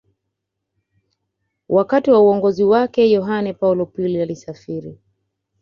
Wakati wa uongozi wake Yohane Paulo pili alisafiri